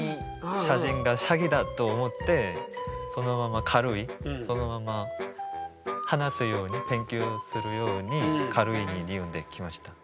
写真は詐欺だと思ってそのまま軽いそのまま話すように勉強するように軽い理由で来ました。